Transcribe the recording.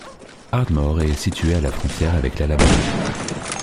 Ardmore est située à la frontière avec l'Alabama.